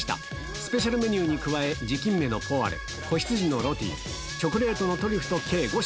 スペシャルメニューに加え、地金目のポワレ、仔羊のロティ、チョコレートのトリュフと計５品。